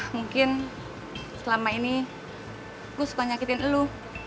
mungkin selama ini gue suka nyakitin dulu